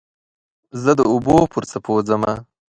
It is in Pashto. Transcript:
زه د اوبو پر څپو ځمه